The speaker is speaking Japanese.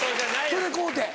それ買うて。